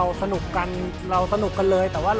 อัศวินไทย